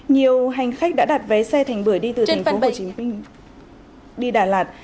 nhiều hành khách đã đặt vé xe thành bưởi đi từ thành phố hồ chí minh đi đà lạt